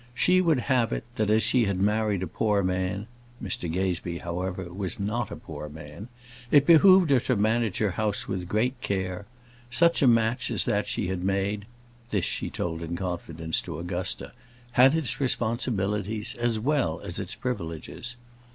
She would have it, that as she had married a poor man Mr Gazebee, however, was not a poor man it behoved her to manage her house with great care. Such a match as that she had made this she told in confidence to Augusta had its responsibilities as well as its privileges.